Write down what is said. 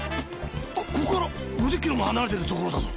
ここから５０キロも離れてるところだぞ！